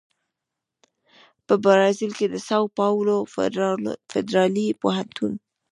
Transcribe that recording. په برازیل کې د ساو پاولو فدرالي پوهنتون